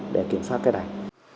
để kiểm soát cái này